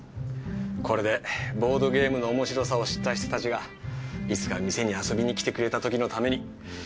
これでボードゲームのおもしろさを知った人たちがいつか店に遊びにきてくれたときのために。